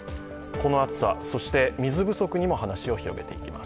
この暑さ、そして水不足にも話を広げていきます。